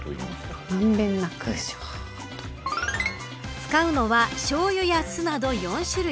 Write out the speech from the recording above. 使うのはしょうゆや酢など４種類。